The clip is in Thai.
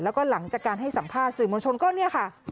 แล้วก็หลังจากการให้สัมภาษณ์สื่อมวลชนก็เนี่ยค่ะ